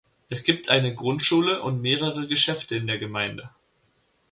Es gibt eine Grundschule und mehrere Geschäfte in der Gemeinde.